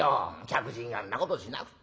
客人がんなことしなく。